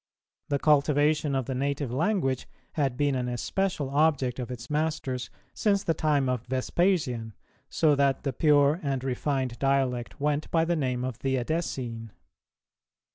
The cultivation of the native language had been an especial object of its masters since the time of Vespasian, so that the pure and refined dialect went by the name of the Edessene.